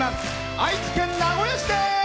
愛知県名古屋市です。